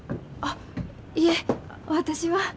あっいえ私は。